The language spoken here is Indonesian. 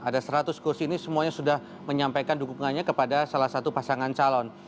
ada seratus kursi ini semuanya sudah menyampaikan dukungannya kepada salah satu pasangan calon